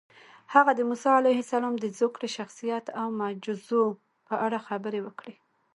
هغه د موسی علیه السلام د زوکړې، شخصیت او معجزو په اړه خبرې وکړې.